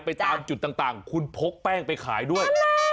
ไปตามจุดต่างคุณพกแป้งไปขายด้วย